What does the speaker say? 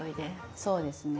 そうですね。